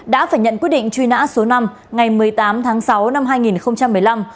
đã phải nhận quyết định truy nã số năm ngày một mươi tám tháng sáu năm hai nghìn một mươi năm